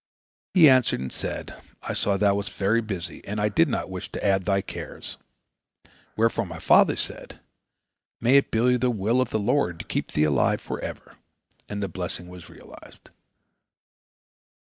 He answered, and said: 'I saw thou wast very busy, and I did not wish to add to thy cares.' Whereupon my father said, 'May it be the will of the Lord to keep thee alive forever,' and the blessing was realized."